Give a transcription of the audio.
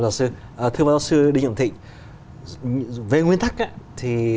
thưa bác sư thưa bác sư đinh trọng thị